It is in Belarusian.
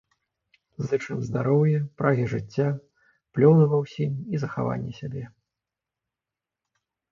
Зычым здароўя, прагі жыцця, плёну ва ўсім і захавання сябе!